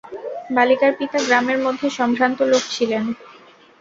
বালিকার পিতা গ্রামের মধ্যে সম্ভ্রান্ত লোক ছিলেন।